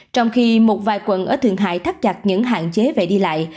trong khi một vài quận ở thượng hải thắt chặt những hạn chế về đi lại